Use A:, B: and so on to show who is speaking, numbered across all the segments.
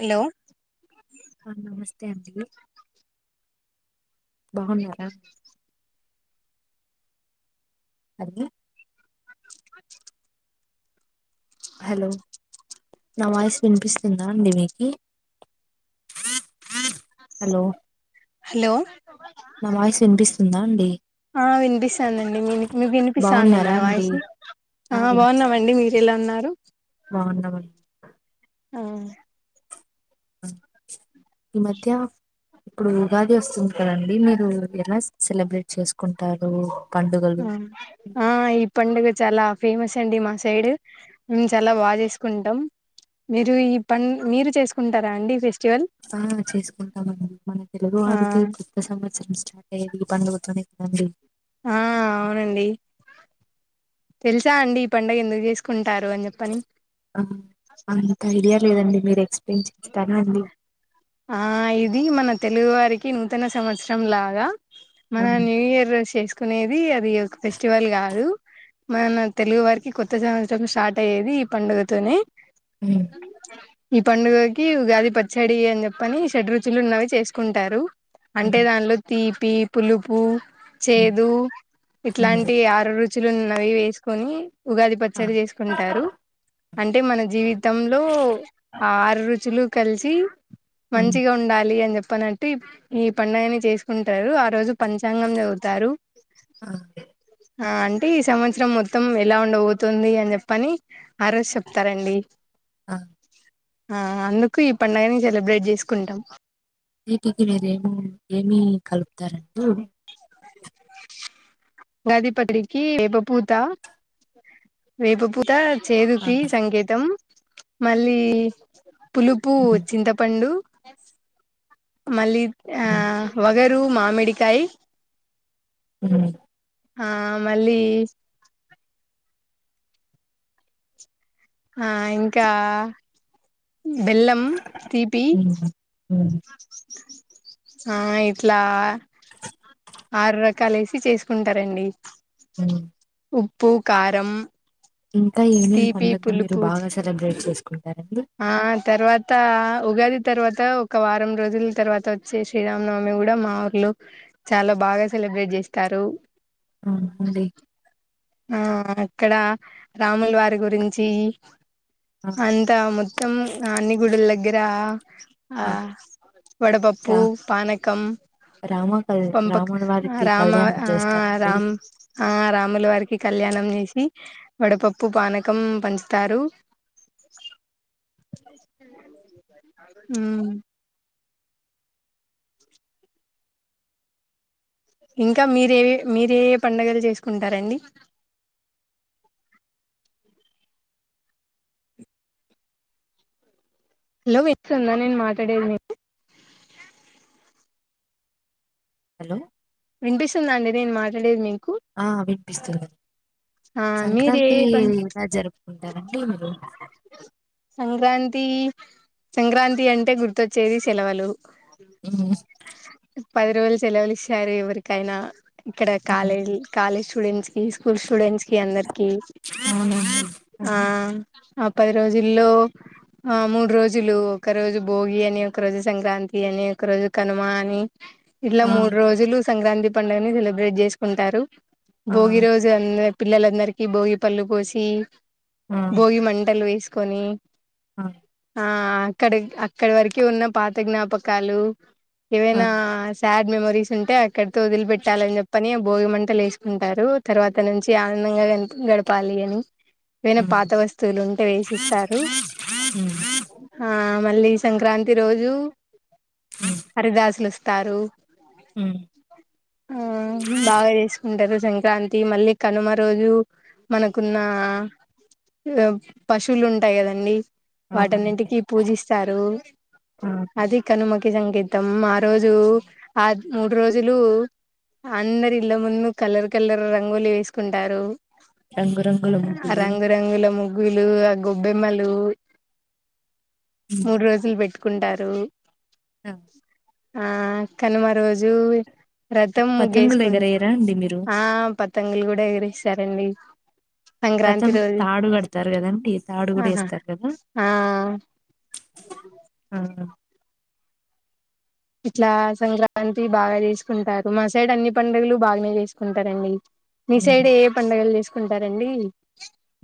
A: Hello
B: నమస్తే అండి బాన్నార అగ్గి హలో నా వాయిస్ వినిపిస్తుందా అండి మీకి హలో
A: హలో
B: నా వాయిస్ వినిపిస్తుందా అండి
A: ఆ వినిపిస్తాదండి మి మీ వినిపిస్తాంది నా
B: బాగున్నారా అండి
A: వాయిస్ ఆ బావున్నామండి మీరెలా ఉన్నా
B: బావున్నమండి.
A: హ్మ్
B: ఈ మధ్య ఇప్పుడు ఉగాది వస్తుంది కదండి మీరు ఎలా సెలబ్రేట్ చేసుకుంటారు పండుగలు
A: ఆ ఈ పండగ చాలా ఆ ఫేమస్ అండి మా సైడ్ మేమ్ చాలా బా చేసుకుంటాం మీరు ఈ పం మీరు చేసుకుంటారా అండి ఫెస్టివల్
B: ఆ చేసుకుంటామండి మన తెలుగు
A: ఆ
B: వారికి కొత్త సంవత్సరం స్టార్ ఏదిగి పండుగ వత్తంది ఎందుకు అండి
A: ఆ అవునండి తెలుసా అండి ఈ పండుగ ఎందుకు చేసుకుంటారు అని జెప్పని
B: ఆ అంత ఐడియా లేదండి మీరు ఎక్స్ప్లెయిన్ చేస్తారు అండి
A: ఆ ఇది మన తెలుగు వారికి నూతన సంవత్సరం లాగా మన
B: ఆ ఉమ్,
A: న్యూ ఇయర్ చేసుకునేది అది ఒక ఫెస్టివల్ గాదు మన తెలుగు వారికి కొత్త సంవత్సరం స్టార్ట్ అయ్యేది ఈ పండుగతోనే
B: ఉమ్,
A: ఈ పండుగకి ఉగాది పచ్చడి అని చెప్ పని షడ్ రుచులు ఉన్నవి చేసుకుంటారు అంటే
B: ఉమ్,
A: దానిలో తీపి పులుపు
B: ఉమ్.
A: చేదు ఇట్లాంటి ఆరు రుచులు ఉన్నవి వేసుకొని ఉగాది
B: ఆ,
A: పచ్చడి చేసుకుంటారు అంటే మన జీవితంలో ఆ ఆరు రుచులు కలిసి
B: హ్మ్.
A: మంచిగా ఉండాలి అని జెప్పి అన్ టిప్ ఈ పండుగని చేసుకుంటారు ఆ రోజు పంచాంగం చదువుతారు
B: ఆ!
A: ఆ అంటే ఈ సంవత్సరం మొత్తం ఎలా ఉండబోతుంది అని చెప్పని ఆ రోజు చెప్తారండి
B: ఆ!
A: ఆ అందుకు ఈ పండుగని సెలబ్రేట్ చేసుకుంటాం
B: వీటికి మీరు ఏమో ఏమి కలుపుతారండి
A: ఉగాది పచ్చడికి వేప పూత వేపపూత
B: ఆ!
A: చేదుకి సంకేతం మళ్ళీ పులుపు
B: హ్మ్.
A: చింతపండు మళ్ళీ ఆ
B: హ్మ్.
A: వగరు మామిడ్ డికాయి
B: ఉ
A: ఆ మళ్ళీ ఆ ఇంకా బెల్లం తీపి
B: హ్మ్. హ్మ్.
A: ఆ ఇట్లా ఆరు రకాలు ఎసి చేసుకుంటారండి
B: హ్మ్మ్
A: ఉప్పు కారం
B: ఇంకా ఏమేమి
A: తీపి
B: పండగలు మీరు
A: పులుపు
B: బాగా సెలబ్రేట్ చేస్
A: ఆ తర్వాత ఉగాది తర్వాత ఒక వారం రోజుల తర్వాత వచ్చే శ్రీరామనవమి కూడా మా ఊర్లో చాలా బాగా సెల్ సెలబ్రేట్ చేస్తారు
B: ఆ అండి
A: ఆ అక్కడ రాములు వారి గురించి
B: ఆ!
A: అంతా మొత్తం అన్ని గుడుల దగ్గర ఆ వడపప్పు
B: రా
A: పానకం
B: రామ కల్
A: పంపక
B: రాముల వారికి
A: రామ
B: కళ్యాణం
A: ఆ
B: చేస్తారండి.
A: రామ్ ఆ రాములు వారికి కళ్యాణం చేసి వడపప్పు పానకం పంచుతారు ఊ ఇంకా మీరేవి మీరు ఏ పండుగలు చేసుకుంటారండి హలో విసుంద నేను మాట్లాడేది మీకు
B: హలో
A: వినిపిస్తుందా అండి నేను మాట్లాడేది మీకు
B: ఆ వీనిపిస్తుంది.
A: ఆ మీరు ఏ
B: సంక్రాంతి
A: పం
B: ఎలా జరుపుకుంటారండి మీరు
A: సంక్రాంతి సంక్రాంతి అంటే గుర్తొచ్చేది సెలవులు
B: హ్మ్మ్
A: పది రోజులు సేలవులు ఇస్తారు ఎవరికైనా ఇక్కడ
B: హ్మ్.
A: కాలేజీ కాలేజ్ ఫ్రెండ్స్ కి స్కూల్ స్టూడెంట్స్ కి అందరికి
B: అవునండి. హ్మ్.
A: ఆ ఆ పది రోజుల్లో ఆ మూడు రోజులు ఒక రోజు భోగి అని ఒక రోజు సంక్రాంతి అని ఒక రోజు కనుమ అని ఇట్లా
B: ఆ!
A: మూడు రోజులు సంక్రాంతి పండుగని సెలబ్రేట్ చేసుకుంటారు
B: ఆ!
A: భోగి రోజు అ పిల్ల లందరికి భోగి పళ్ళు పోసి భోగి మంట లు వేసుకొని
B: అ
A: ఆ అక్కడ అక్కడ వరక ఉన్న పాత జ్ఞాపకాలు
B: ఆ!
A: ఏవైనా శాడ్ మెమరీస్ ఉంటే అక్కడతో వదిలి పెట్టాలని చెప్పని భోగి మంటలు వేసుకుంటారు తర్వాత నుంచి ఆనందంగా గ గడపాలి అని ఏవైనా
B: హ్మ్.
A: పాత వస్తువులు ఉంటే వేసిస్తారు
B: హ్మ్.
A: ఆ మళ్ళీ సంక్రాంతి రోజు
B: హ్మ్.
A: హరిదాసులు వస్తారు
B: హ్మ్.
A: ఆ బాగా చేసుకుంటారు సంక్రాంతి మళ్ళీ కనుమ రోజు మనకున్న పశువులు ఉంటాయి కదండి
B: అవునండి
A: వాటన్నింటికి పూజిస్తారు
B: ఆ,
A: అది కనుమకి సంగీతం ఆ రోజు ఆ మూడు రోజులు అందరు ఇళ్ల ముందు కలర్ కలర్ రంగులు వేసుకుంటారు
B: రంగురంగుల ముగ్గులు
A: రంగు రంగుల ముగ లు ఆ గొబ్బెమ్మలు
B: ఉమ్.
A: మూడు రోజులు పేటు కుంటారు
B: ఆ
A: ఆ కనుమ రోజు రథం
B: పతంగులు
A: ముగేసుకుంట
B: ఎగరేయరా అండి మీరు
A: ఆ పతంగులు కూడా ఎగిరేస్తారండి సంక్రాంతి
B: రతం
A: రోజు
B: తాడు కడతారు కదా కదంటే ఈ తాడు కూడా
A: ఆహా
B: వేస్తారు కదా
A: ఆ ఇట్లా సంక్రాంతి బాగా చేసుకుంటారు మా సైడ్ అన్ని పండుగలు బాగానే చేసుకుంటారండి మీ సైడ్
B: ఉమ్.
A: ఏ పండగలు చేసుకుంటారండి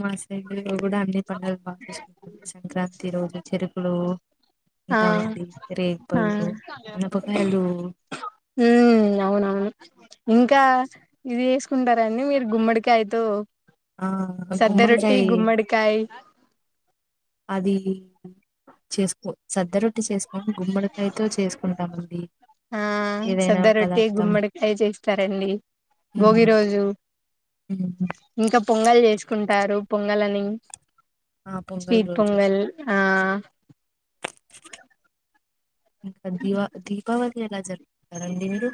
B: మా సైడ్లో కూడా అన్ని పండుగలు బాగా చేసుకుంటారు అండి సంక్రాంతి రోజు చెరుకులు
A: ఆ
B: తింటామండి
A: ఆ
B: రేగిపళ్ళు అనపకాయలు
A: ఉమ్ అవునవును ఇంకా ఇది చేసుకుంటారంండి మీరు గుమ్మడికాయతో
B: ఆ
A: సద్ద రోటీ
B: గుమ్మడికాయ
A: గుమ్మడికాయ
B: అది చేసుకో సద్ద రొట్టి చేసుకోని గుమ్మడికాయతో చేసుకుంటాం
A: ఆ సద్ద రొట్టి గుమ్మడికాయ చేస్తారండి భోగి
B: ఉమ్.
A: రోజు
B: ఉమ్.
A: ఇంకా పొంగల్ చేస్ కుంటారు పొంగల్ అని
B: ఆ పొంగల్
A: స్వీట్
B: రోజు
A: పొంగల్ ఆ
B: ఇంకా దీవ దీపావళి ఎలా జరుగుతారండి మీరు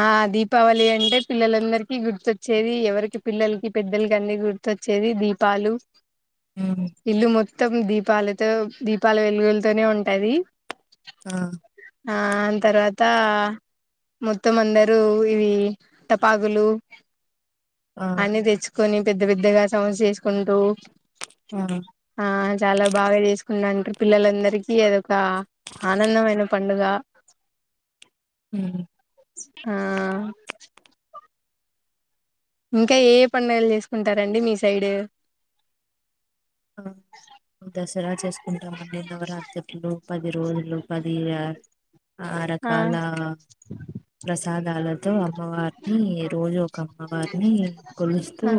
A: ఆ దీపావళి అంటే పిల్లలందరికీ గుర్తుొచ్చేది ఎవరికి పిల్లలకి పెద్దలకి అన్నీ గుర్ ర్త్వచ్చేది దీపాలు
B: ఉమ్,
A: ఇల్లు మొత్తం దీపాలతో దీపాల వెలుగులతోనే ఉంటది
B: ఆ
A: ఆ తర్వాత మొత్తం అందరూ ఇవి టపాకులు
B: ఆ
A: అన్ని తెచ్ కొని పెద్ద పెద్దగా సౌండ్స్ చేసుకుంటూ
B: ఆ
A: ఆ చాలా బాగా చేసుకున్నా అంటారు పిల్లలందరికీ అదొక ఆనందమైన పండుగ
B: హ్మ్
A: ఆ ఇంకా ఏ ఏ పండగలు చేసుకుంటారంండి మీ సైడ్
B: ఆ దసరా చేసుకుంటామండి నవరాత్రులు పది రోజులు పది
A: ఆ
B: ఆరకాల ప్రసాదాల అమ్మవారిని రోజు ఒక అమ్మవారిని కొలుస్తూ
A: ఆ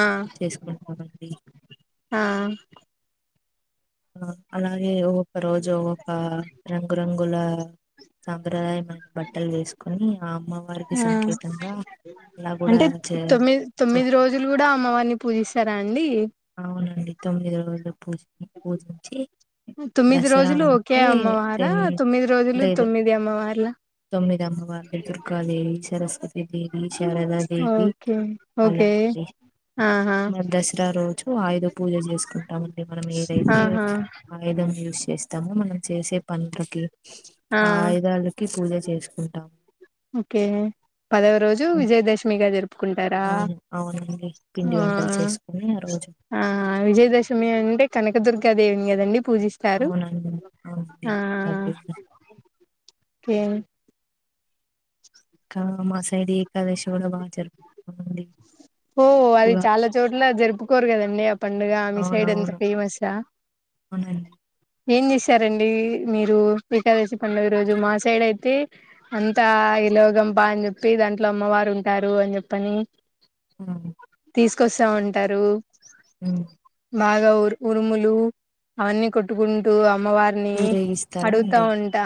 A: ఆ
B: చేసుకుంటామండి
A: ఆ
B: ఆ అలాగే ఒకేఒక రోజు ఒకఒక రంగురంగుల సాంప్రదాయమైన బట్టలు వేసుకుని
A: ఆ
B: అలా కూడా
A: అంటే
B: చే
A: తొమ్మిది
B: చే
A: తొమ్మిది రోజులు కూడా అమ్మవని పూజిస్తారా అండి
B: అవునండి తొమ్మిది రోజులు పూజ పూజించి
A: తొమ్మిది
B: దసరా
A: రోజులు ఒకే
B: అంటే
A: అమ్మవారా
B: టెన్
A: తొమ్మిది రోజులు
B: లేదు
A: తొమ్మిది అమ్మవార్లా
B: తొమ్మిది అమ్మవార్లు దుర్గదేవి సరస్వ తి శారదా దేవి
A: ఓకే
B: అలా
A: ఓకే
B: అండి
A: ఆహా
B: మా దసరా రోజు ఆయుధ పూజ చేసుకుంటామండి మనం ఏదైతే
A: ఆహా
B: ఆయుధం యూస్ చేస్తాము మనం చేసే పంటలకి ఆ ఆయుధాలకి పూజ చేసుకుంటాం
A: ఓకే పదవ రోజు
B: ఉం,
A: విజయదశమిగా జరుపుకుంటారా
B: అవును అవునండి పిండి
A: ఆ
B: వంటలు చేసుకుని ఆ రోజు
A: ఆ విజయదశమిీ అంటే కనకదుర్ ర్గా దేవుని కదండి పూజిస్తారు
B: అవునండి అవునండి
A: ఆ
B: ఏకాదశి.
A: కె
B: ఇంకా మా సైడ్ ఏకాదశి కూడా బాగా జరుపుకుంటామండి
A: ఓ అది
B: కూడా
A: చాలా చోట్ల జరుపుకోరు కదండి ఆ పండుగ మీ సైడ్ అంతా
B: అవునవును
A: ఫేమస్ ఆ
B: అవునండి
A: ఏం చేశారండి మీరు ఏకాదశి పండుగ రోజు మా సైడ్ అయితే అంతా విలోగంపా అని చెప్పి దాంట్లో అమ్మవారు ఉంటారు అని చెప్పని
B: ఉమ్
A: కోసా ఉంటారు బాగా ఉరు ఉరుములు అవన్నీ కొట్టుకుంటూ అమ్మవారిని
B: ఊరేగిస్తారా
A: అడుగుతా
B: అండి
A: ఉంటా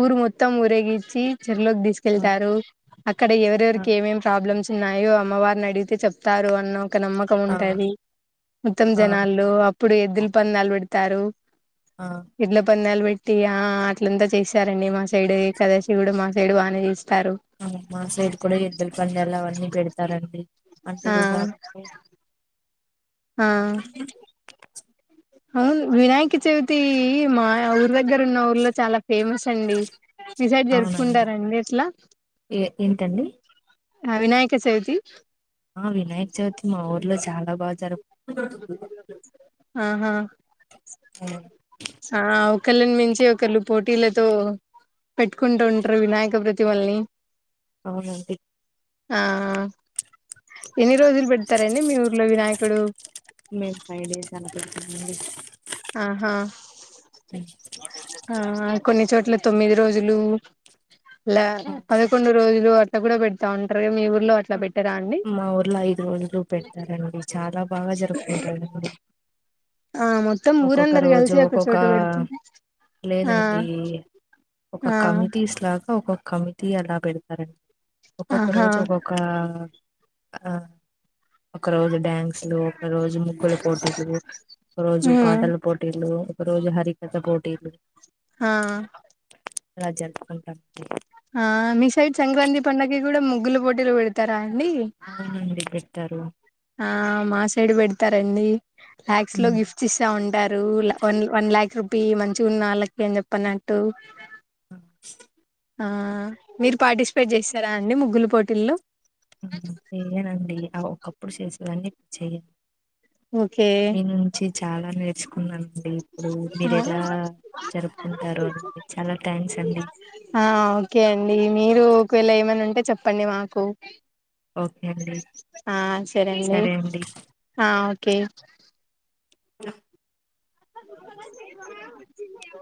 A: ఊరు మొత్తం ఊరేగిచ్చి చెరువులోకి
B: ఆ
A: తీసుకెళ్తారు అక్కడ
B: ఆ
A: ఎవరెవరికి ఏమేం ప్రాబ్లమ్స్ ఉన్నాయో అమ్మవారిని అడి గితే చెప్తారు అన్న ఒక నమ్మకం
B: ఆ
A: ఉంటది మొత్తం
B: ఆ!
A: జనాల్లో అప్పుడు ఎద్దుల పందాలు పెడుతారు
B: ఆ! ఆ!
A: ఎడ్ల పందాలు పే ట్టి ఆ అట్లంతా చేశారండి మా సైడ్ ఏకాదశి కూడా మా సైడ్ బానే చేస్
B: అవును మా సైడ్ కూడా ఎద్దుల పందాలు అవన్నీ పెడతారండి అంటే
A: ఆ
B: ఉగాదికి
A: ఆ అవును వినాయక చవితి మా యా ఉ దగ్గర ఉన్న ఊర్లో చాలా ఫేమస్ అండి మీ సైడ్
B: అవునండి
A: జరుపుకుంటారండి అట్లా
B: ఏ ఏంటండి
A: క వినాయక చవితి
B: ఆ వినాయక చవితి మా ఊర్లో చాలా బాగా జరుప్
A: ఆహా ఆా ఓ క్కళ్ళని మించి ఒకళ్ళు పోటీలతో పెట్టుకుంటూ ఉంటారు వినాయక ప్రతిమల్ని
B: అవునండి
A: ఆ ఆ ఎన్నీ రోజులు పెడుతారండి మీ ఊర్లో వినాయకుడు
B: అడి
A: ఆహా ఆ కొన్ని చోట్ల తొమ్మిది రోజులు ల
B: హ్మ్.
A: పదకొండు రోజులు అట్లా కూడా పెడతా ఉంటారు మీ ఉ ర్లో అట్లా
B: ఆ!
A: పెట్టర
B: మా ఊర్లో ఐదు రోజులు పెడతారండి చాలా బాగా జరుపుకుంటారండి
A: ఆ మొత్తం
B: ఒక్కొక్క
A: ఊరందరు
B: రోజు
A: కలిసి ఒక
B: ఒక్కొక్క
A: చోట పెడుతురు ఆ
B: లేదండి ఒక
A: ఆ
B: కమిటీస్ లాగా ఒక కమిటి అలా పెడుతారండి ఒక్కొక్క
A: ఆహా
B: రోజు ఒక్కొక్క ఆ ఒక రోజు డ్యాన్స్లు ఒక రోజు ముగ్గుల పోటీలు ఒక రోజు
A: ఉమ్
B: పాటలు పోటీలు ఒక రోజు హరికథ పోటీలు
A: ఆా
B: ఇలా జరుపుకుంటామండి
A: హ మీ సైడ్ సంక్రాంతి పండాకి కూడా ముగ్గుల పోటీలు పెడుతారా అం
B: అవునండి పెడుతారు
A: ఆ మా సైడ్ పెడతారండీ లాక్స్ లో గిఫ్ట్స్ ఇస్తా ఉన్ ంటారూ ల వన్ లాక్ రూపీ మంచిగున్న వాళ్ళకి అని చెప్పనంట్టు
B: అ
A: ఆ మీరు పార్టిసిపేట్ చేస్తరా అండి ముగ్గుల పోటీల్లో
B: ఆ చెయ్యనండి ఆ ఒకప్పుడు చేసేదాన్ని ఇప్ చెయ్య
A: ఓకే
B: చాలా నేర్చుకున్నాను అ ఇప్పుడు మీరెలా జరుపుకుంటారు అని చాలా థ్యాంక్స్ అండి
A: ఆ ఓకే అండి మీరు ఒకవేళ ఏమన్న ఉంటే చెప్పండి మాకు
B: ఓకే అండి
A: ఆ సరే అండి ఆ ఓకే
B: అ
A: లో